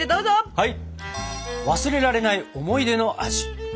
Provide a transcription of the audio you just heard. はい！